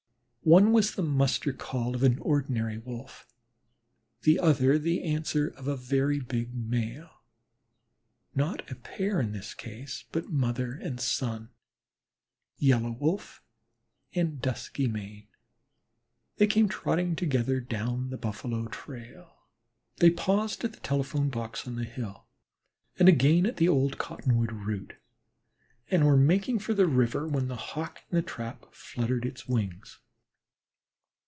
One was the muster call of an ordinary Wolf, the other the answer of a very big male, not a pair in this case, but mother and son Yellow Wolf and Duskymane. They came trotting together down the Buffalo trail. They paused at the telephone box on the hill and again at the old cottonwood root, and were making for the river when the Hawk in the trap fluttered his wings.